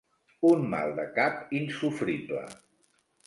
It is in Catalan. Un mal de cap insofrible.